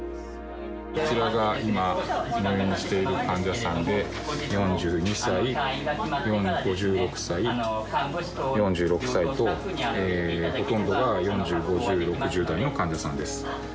こちらが今、入院している患者さんで、４２歳、５６歳、４６歳と、ほとんどが４０、５０、６０代の患者さんです。